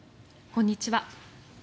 こんにちは。